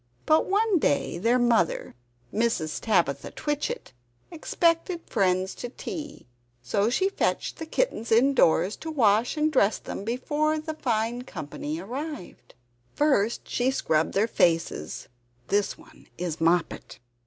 But one day their mother Mrs. Tabitha Twitchit expected friends to tea; so she fetched the kittens indoors, to wash and dress them, before the fine company arrived. First she scrubbed their faces (this one is Moppet).